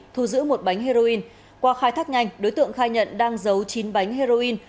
thu giữ một bánh heroin qua khai thác nhanh đối tượng khai nhận đang giấu chín bánh heroin